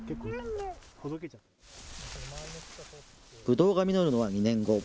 ぶどうが実るのは２年後。